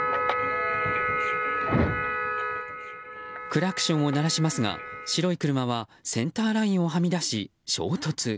クラクションを鳴らしますが白い車はセンターラインをはみ出し衝突。